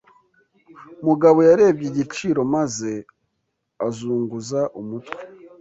Mugabo yarebye igiciro maze azunguza umutwe.